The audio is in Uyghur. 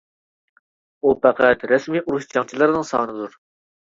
ئۇ پەقەت رەسمىي ئۇرۇش جەڭچىلىرىنىڭ سانىدۇر.